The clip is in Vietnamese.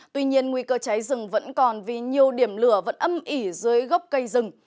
tuy nhiên nguy cơ cháy rừng vẫn còn vì nhiều điểm lửa vẫn âm ỉ dưới gốc cây rừng